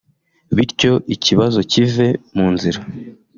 bityo ikibazo kive mu nzira